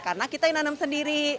karena kita yang tanam sendiri